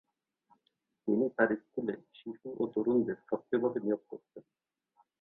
তিনি তার স্কুলে শিশু ও তরুণদের সক্রিয়ভাবে নিয়োগ করতেন।